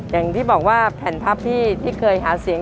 อย่างที่บอกว่าแผ่นพับที่เคยหาเสียง